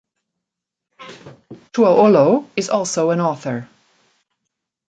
Tuaolo is also an author.